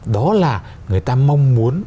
đó là người ta mong muốn